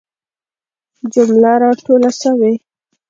جمله را ټوله سوي.